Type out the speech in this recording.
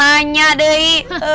pakai nanya deh i